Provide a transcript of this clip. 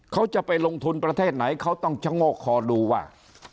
เขาจะไปลงทุนประเทศไหนเขาต้องชะโงกคอดูว่า